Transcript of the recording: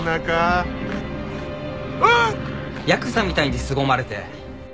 ヤクザみたいにすごまれて。